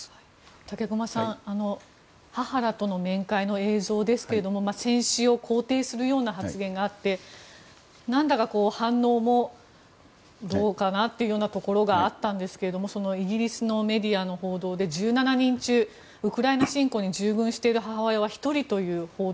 武隈さん母らとの面会の映像ですけども戦死を肯定するような発言があって何だか、反応もどうかなというところがあったんですがそのイギリスのメディアの報道で１７人中、ウクライナ侵攻に従軍している母親は１人という報道。